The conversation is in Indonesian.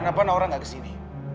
kenapa naoran gak kesini